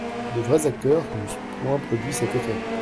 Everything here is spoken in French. De vrais acteurs n'eussent point produit cet effet.